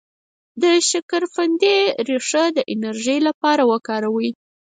د شکرقندي ریښه د انرژی لپاره وکاروئ